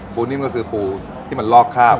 นิ่มก็คือปูที่มันลอกคาบ